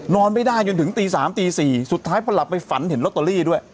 นอนไม่ได้จนถึงตี๓ตี๔สุดท้ายพอหลับไปฝันเห็นลอตเตอรี่ด้วย